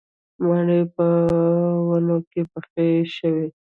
مڼې په ونو کې پخې شوې